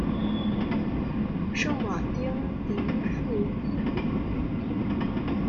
圣马丁迪富伊卢。